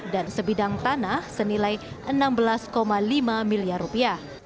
dan sebidang tanah senilai enam belas lima miliar rupiah